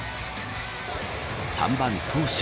３番投手